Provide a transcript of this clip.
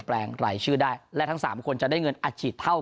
แปลงไหล่ชื่อได้และทั้งสามคนจะได้เงินอาจฉีดเท่า